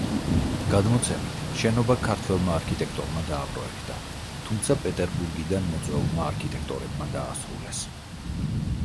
გადმოცემით, შენობა ქართველმა არქიტექტორმა დააპროექტა, თუმცა პეტერბურგიდან მოწვეულმა არქიტექტორებმა დაასრულეს.